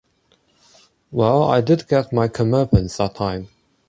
Well, I did get my comeuppance that time.